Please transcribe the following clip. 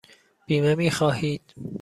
بیمه می خواهید؟